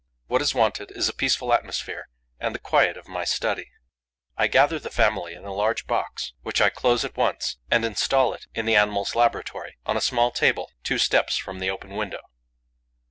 What is wanted is a peaceful atmosphere and the quiet of my study. I gather the family in a large box, which I close at once, and instal it in the animals' laboratory, on a small table, two steps from the open window.